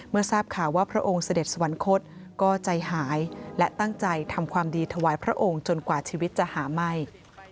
เมื่อทราบข่าวว่าพระองค์เสด็จสวรรคตก็ใจหายและตั้งใจทำความดีถวายพระองค์จนกว่าชีวิตจะหาไหม้